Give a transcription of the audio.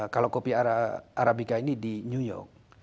kalau kopi arabica ini di new york